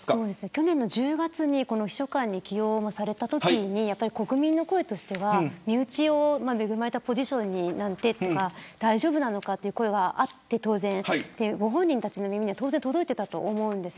去年の１０月に秘書官に起用されたときに国民の声としては身内を恵まれたポジションになんてとか大丈夫なのかという声があってご本人の耳には当然届いていたと思うんです。